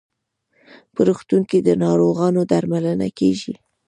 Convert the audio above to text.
په روغتون کې د ناروغانو درملنه کیږي.